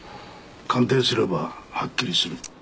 鑑定すればはっきりする。